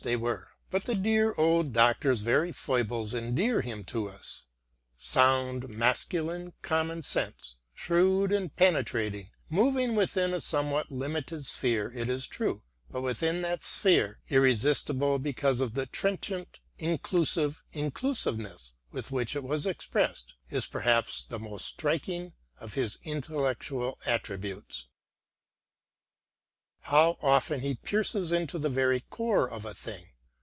* I have been unable to trace the source of this story, t Boswell's " Life of Johnson." 42 SAMUEL JOHNSON Sound, masculine common sense, shrewd and penetrating, moving within a somewhat limited sphere it is true, but within that sphere irresistible because of the trenchant, incisive incisiveness with which it was expressed, is perhaps the most strik ing of his intellectual attributes. How often he pierces into the very core of a thing.